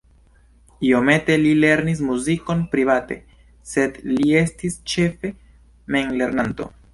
Iomete li lernis muzikon private, sed li estis ĉefe memlernanto.